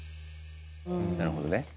なるほどね。